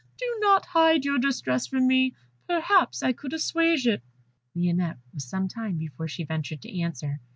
Do not hide your distress from me; perhaps I could assuage it." Lionette was some time before she ventured to answer.